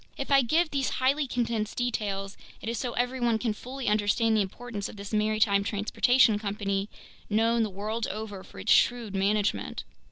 If I give these highly condensed details, it is so everyone can fully understand the importance of this maritime transportation company, known the world over for its shrewd management.